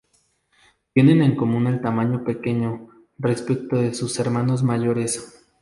Tienen en común el tamaño pequeño respecto de sus hermanos mayores.